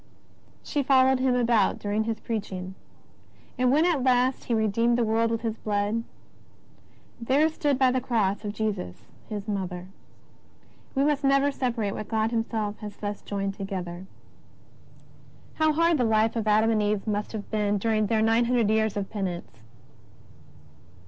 She followed Him about dur ing His preaching. And when at last He redeemed the world with His Blood, ^' there stood by the Cross of Jesus His Mother." We must never separate what God Himself has thus joined together. How hard the life of Adam and Eve must have been during their nine hundred years of penance!